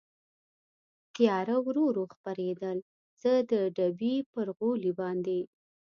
تېاره ورو ورو خپرېدل، زه د ډبې پر غولي باندې.